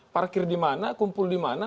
parkir di mana kumpul di mana